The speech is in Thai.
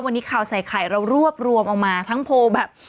วันนี้ข่าวใส่ไข่เรารวบรวมเอามาทั้งโพลแบบ